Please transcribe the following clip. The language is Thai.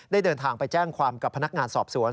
เดินทางไปแจ้งความกับพนักงานสอบสวน